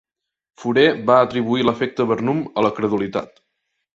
Forer va atribuir l'efecte Barnum a la credulitat.